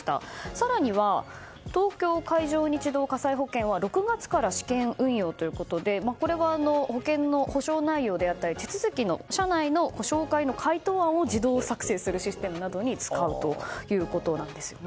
更には、東京海上日動火災保険は６月から試験運用ということでこれは保険の補償内容であったり手続きの、社内の回答案を自動作成するシステムなどに使うということです。